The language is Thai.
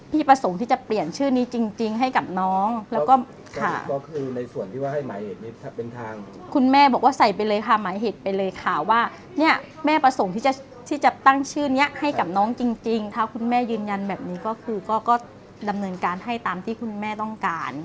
ประสงค์ที่จะเปลี่ยนชื่อนี้จริงให้กับน้องแล้วก็ค่ะก็คือในส่วนที่ว่าให้หมายเหตุนี้ถ้าเป็นทางคุณแม่บอกว่าใส่ไปเลยค่ะหมายเหตุไปเลยค่ะว่าเนี่ยแม่ประสงค์ที่จะที่จะตั้งชื่อนี้ให้กับน้องจริงถ้าคุณแม่ยืนยันแบบนี้ก็คือก็ดำเนินการให้ตามที่คุณแม่ต้องการ